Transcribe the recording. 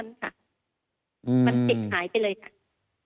มันติดหายไปเลยค่ะ